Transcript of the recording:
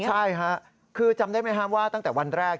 ใช่ค่ะคือจำได้ไหมครับว่าตั้งแต่วันแรก